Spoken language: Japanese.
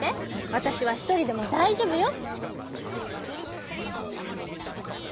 わたしはひとりでもだいじょうぶよ」。